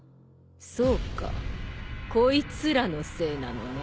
そうかこいつらのせいなのね。